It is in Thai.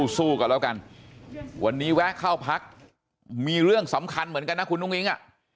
สู้กันแล้วกันวันนี้แวะเข้าพักมีเรื่องสำคัญเหมือนกันนะคุณอุ้งอิ๊งอ่ะ